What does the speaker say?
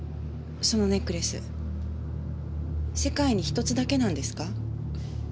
そのネックレス世界に１つだけなんですか？